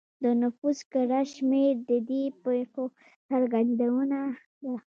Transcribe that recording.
د نفوس کره شمېر د دې پېښو څرګندونه کوي